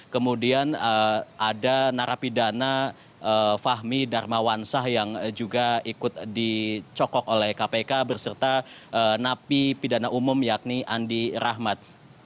kemudian ada narapidana fahmi darmawansah yang juga ikut dicokok oleh kpk berserta napi pidana umum yakni andi rahmat